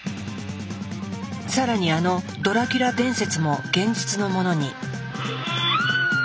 更にあのドラキュラ伝説も現実のものに。